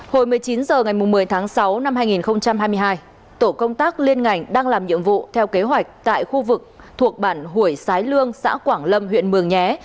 hồi một mươi chín h ngày một mươi tháng sáu năm hai nghìn hai mươi hai tổ công tác liên ngành đang làm nhiệm vụ theo kế hoạch tại khu vực thuộc bản hủy sái lương xã quảng lâm huyện mường nhé